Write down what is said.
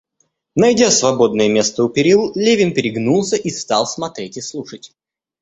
Найдя свободное место у перил, Левин перегнулся и стал смотреть и слушать.